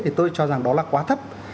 thì tôi cho rằng đó là quá thấp